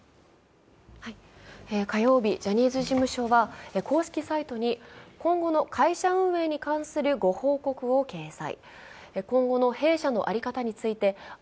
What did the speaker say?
火曜日、ジャニーズ事務所は公式サイトに今後の会社運営に関するご報告を掲載。